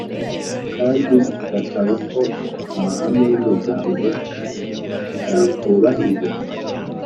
kandi igasaba ko amahame y'umuryango yakubahirizwa.